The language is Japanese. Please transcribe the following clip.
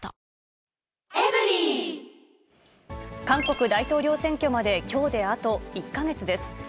韓国大統領選挙まできょうであと１か月です。